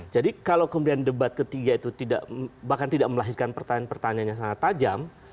jadi kalau kemudian debat ketiga itu tidak bahkan tidak melahirkan pertanyaan pertanyaannya sangat tajam